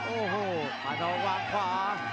โอ้โหปาทองวางขวา